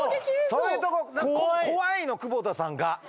そういうとこ怖いの久保田さんが。